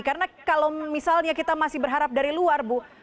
karena kalau misalnya kita masih berharap dari luar bu